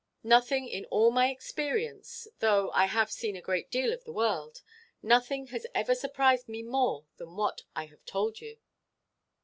Nothing in all my experience—though I have seen a great deal of the world—nothing has ever surprised me more than what I have told you."